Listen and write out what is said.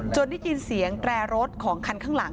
ได้ยินเสียงแตรรถของคันข้างหลัง